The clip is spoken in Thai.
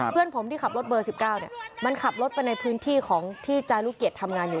เพื่อนผมที่ขับรถเบอร์๑๙มันขับรถไปในพื้นที่ของที่จารุเกียจทำงานอยู่